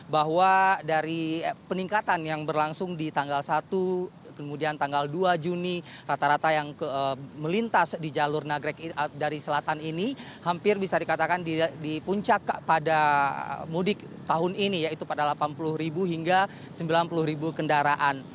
bahwa dari peningkatan yang berlangsung di tanggal satu kemudian tanggal dua juni rata rata yang melintas di jalur nagrek dari selatan ini hampir bisa dikatakan di puncak pada mudik tahun ini yaitu pada delapan puluh hingga sembilan puluh kendaraan